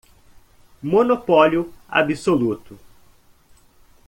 Monopólio absoluto